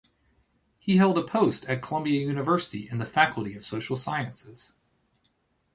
He held a post at Columbia University in the Faculty of Social Sciences.